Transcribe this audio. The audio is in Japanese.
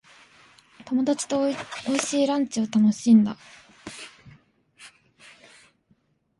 友達と美味しいランチを楽しんだ。